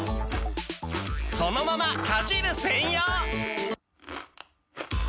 そのままかじる専用！